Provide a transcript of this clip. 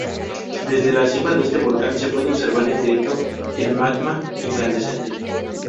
Desde la cima de este volcán se puede observar en directo el magma incandescente.